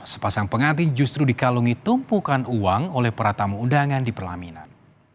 sepasang pengantin justru dikalungi tumpukan uang oleh para tamu undangan di perlaminan